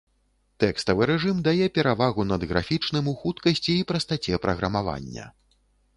Тэкставы рэжым дае перавагу над графічным у хуткасці і прастаце праграмавання.